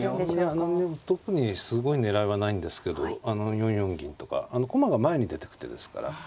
いや何にも特にすごい狙いはないんですけど４四銀とか駒が前に出てく手ですから。